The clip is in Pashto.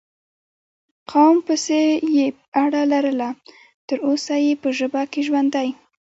قوم پسې یې اړه لرله، تر اوسه یې په ژبه کې ژوندی